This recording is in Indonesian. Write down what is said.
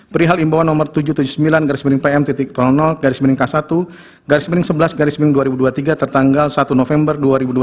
perihal imbauan nomor tujuh ratus tujuh puluh sembilan pm garis piring k satu garis piring sebelas dua ribu dua puluh tiga tertanggal satu november dua ribu dua puluh tiga